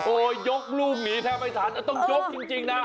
โอ้ยยกลูกหนีแทบไอ้ฐานต้องยกจริงจริงน่ะ